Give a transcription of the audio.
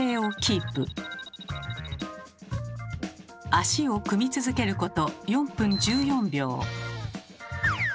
足を組み続けること４分１４秒。